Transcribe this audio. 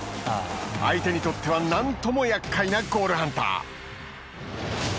相手にとってはなんとも厄介なゴールハンター。